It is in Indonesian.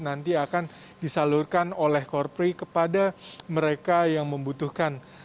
nanti akan disalurkan oleh korpri kepada mereka yang membutuhkan